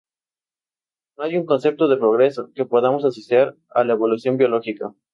No hay un concepto de "progreso" que podamos asociar a la evolución biológica.